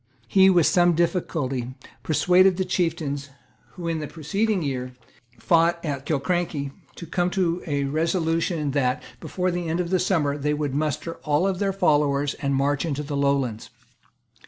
He, with some difficulty, persuaded the chieftains, who had, in the preceding year, fought at Killiecrankie, to come to a resolution that, before the end of the summer, they would muster all their followers and march into the Lowlands.